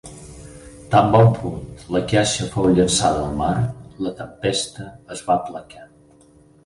Tan bon punt la caixa fou llençada al mar, la tempesta es va aplacar.